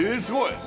すごい！